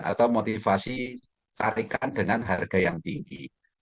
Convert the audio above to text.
atau motivasi tarikan dengan harga yang tinggi